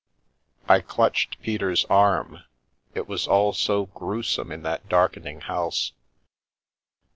I clutched Peter's arm ; it was all so gruesome in that dark ening house.